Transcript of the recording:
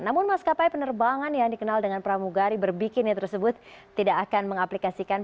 namun maskapai penerbangan yang dikenal dengan pramugari berbikinnya tersebut tidak akan mengaplikasikan